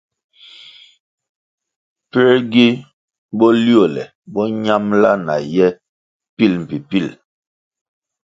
Puē gi boliole bo ñambʼla na ye pil mbpi pil?